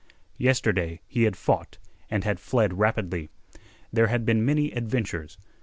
Yesterday he had fought and had fled rapidly. There had been many adventures.